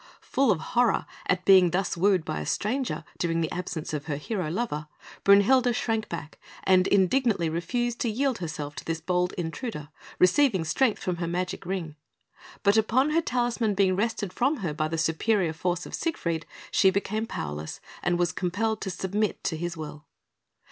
Full of horror at being thus wooed by a stranger during the absence of her hero lover, Brünhilde shrank back, and indignantly refused to yield herself to this bold intruder, receiving strength from her magic Ring; but upon her talisman being wrested from her by the superior force of Siegfried, she became powerless, and was compelled to submit to his will.